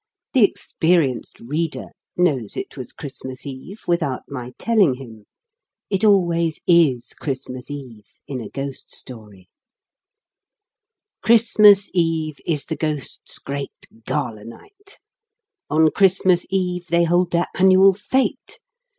The experienced reader knows it was Christmas Eve, without my telling him. It always is Christmas Eve, in a ghost story, Christmas Eve is the ghosts' great gala night. On Christmas Eve they hold their annual fete.